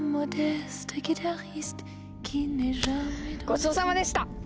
ごちそうさまでした！